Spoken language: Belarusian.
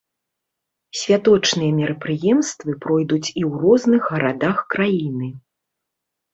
Святочныя мерапрыемствы пройдуць і ў розных гарадах краіны.